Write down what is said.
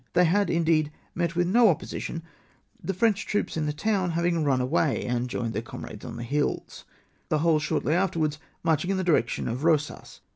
They had, indeed, met with no op position, the French troops in the town having run away and joined their comrades on the hills, the whole shortly afterwards marching in the direction of Eosas.